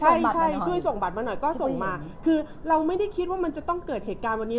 ใช่ใช่ช่วยส่งบัตรมาหน่อยก็ส่งมาคือเราไม่ได้คิดว่ามันจะต้องเกิดเหตุการณ์วันนี้